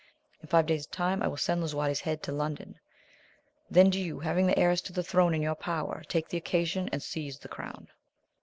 In five days* time I will send Lisuarte's head to London ; then do you, having the heiress to the throne in your power, take the occasion and seize the crown.